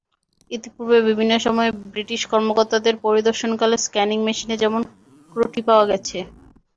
ইতিপূর্বে বিভিন্ন সময়ে ব্রিটিশ কর্মকর্তাদের পরিদর্শনকালে স্ক্যানিং মেশিনে যেমন ত্রুটি পাওয়া গেছে।